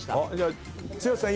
剛さん